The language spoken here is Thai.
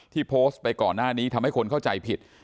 ที่โพสต์ไปก่อนหน้านี้ทำให้คนเข้าใจผิด